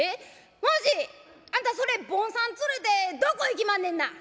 もうしあんたそれ坊さん連れてどこ行きまんねんな」。